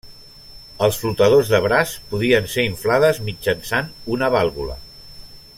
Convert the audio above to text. Els flotadors de braç podien ser inflades mitjançant una vàlvula.